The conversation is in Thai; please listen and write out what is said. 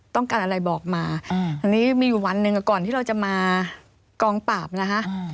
ต้องการอะไรบอกมาอันนี้มีอยู่วันหนึ่งก่อนที่เราจะมากองปราบนะคะ